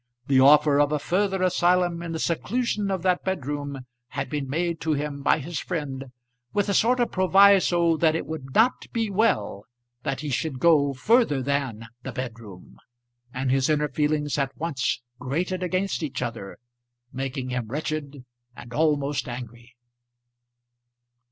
The offer of a further asylum in the seclusion of that bedroom had been made to him by his friend with a sort of proviso that it would not be well that he should go further than the bedroom, and his inner feelings at once grated against each other, making him wretched and almost angry.